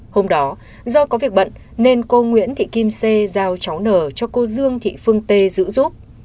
hôm đó do có việc bận nên cô nguyễn thị kim c giao cháu nở cho cô dương thị phương tê giữ giúp